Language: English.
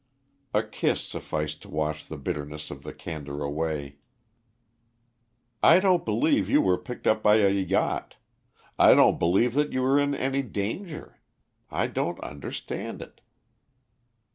A kiss sufficed to wash the bitterness of the candor away. "I don't believe you were picked up by a yacht. I don't believe that you were in any danger. I don't understand it."